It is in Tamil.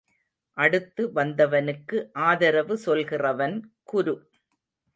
அடுத்து வந்தவனுக்கு ஆதரவு சொல்கிறவன் குரு.